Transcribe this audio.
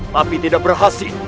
tapi tidak berhasil